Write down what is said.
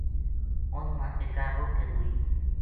اُن مااِکا رُڑھ کے موئی